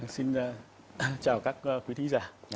xin chào các quý thí giả